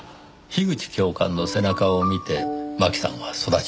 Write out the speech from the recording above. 樋口教官の背中を見て真紀さんは育ちました。